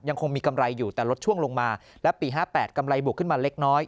ยังคงมีกำไรอยู่แต่ลดช่วงลงมาและปี๕๘กำไรบวกขึ้นมาเล็กน้อย